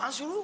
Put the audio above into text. apaan sih lu